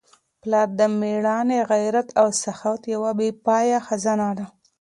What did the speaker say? پلار د مېړانې، غیرت او سخاوت یوه بې پایه خزانه ده.